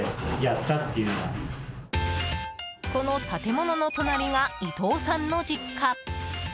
この建物の隣が伊藤さんの実家。